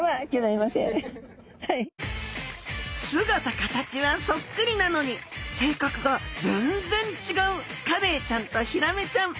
姿形はそっくりなのに性格が全然違うカレイちゃんとヒラメちゃん。